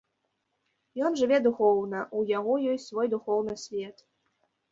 Ён жыве духоўна, у яго ёсць свой духоўны свет.